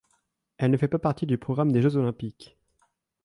Elle ne fait pas partie du programme des Jeux olympiques.